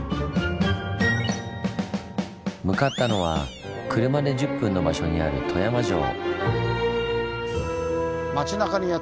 向かったのは車で１０分の場所にある富山城。